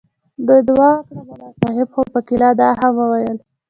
دوی دعا وکړه ملا صاحب خو پکې لا دا هم وویل.